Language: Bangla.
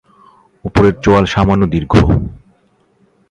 উপরের চোয়াল সামান্য দীর্ঘ।